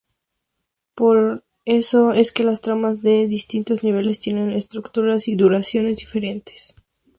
Es por eso que las tramas de distintos niveles tienen estructuras y duraciones diferentes.